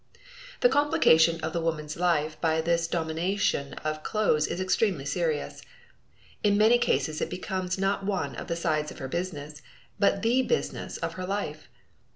The complication of the woman's life by this domination of clothes is extremely serious. In many cases it becomes not one of the sides of her business, but the business of her life.